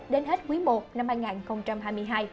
đến hết quý i năm hai nghìn hai mươi hai